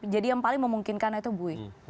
jadi yang paling memungkinkan itu bui